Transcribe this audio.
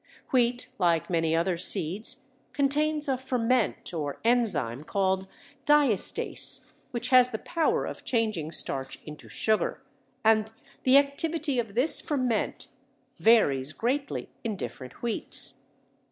Wheat like many other seeds contains a ferment or enzyme called diastase, which has the power of changing starch into sugar, and the activity of this ferment varies greatly in different wheats.